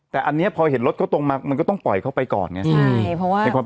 แต่อันนี้พอเห็นรถเขาตรงมามันก็ต้องปล่อยเข้าไปก่อนไง